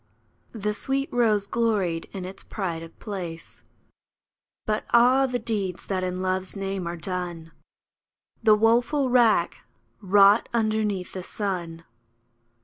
The sweet rose gloried in its pride of place. But ah ! the deeds that in Love's name are done ! The woeful wrack wrought underneath the sun